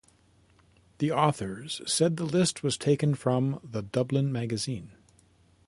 The authors said the list was taken from the "Dublin Magazine".